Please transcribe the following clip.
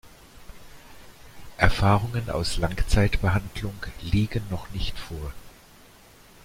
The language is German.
Erfahrungen aus Langzeitbehandlung liegen noch nicht vor.